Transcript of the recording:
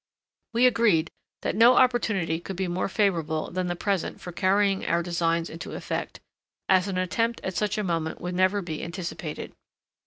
We agreed that no opportunity could be more favourable than the present for carrying our designs into effect, as an attempt at such a moment would never be anticipated.